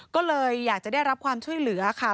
ก็เลยอยากจะได้รับความช่วยเหลือค่ะ